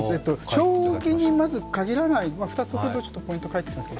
将棋にまず限らない、２つほどポイントを書いてあります